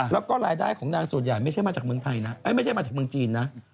แล้วก็รายได้ของนางส่วนใหญ่ไม่ใช่มาจากเมืองจีนนะ